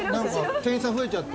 店員さん増えちゃった。